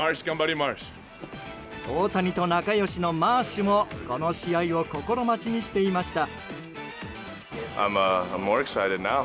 大谷と仲良しのマーシュもこの試合を心待ちにしていました。